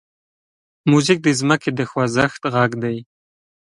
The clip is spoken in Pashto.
موزیک د ځمکې د خوځښت غږ دی.